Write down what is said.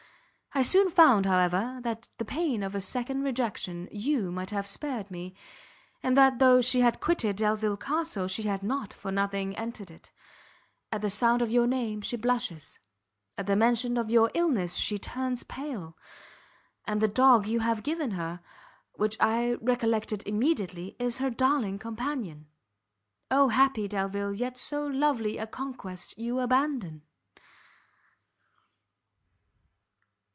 I soon found, however, that the pain of a second rejection you might have spared me, and that though she had quitted Delvile Castle, she had not for nothing entered it; at the sound of your name, she blushes; at the mention of your illness, she turns pale; and the dog you have given her, which I recollected immediately, is her darling companion. Oh happy Delvile! yet so lovely a conquest you abandon.